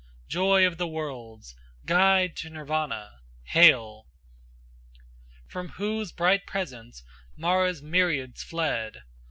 Joy of the worlds, guide to Nirvana, hail!" From whose bright presence Mara's myriads fled.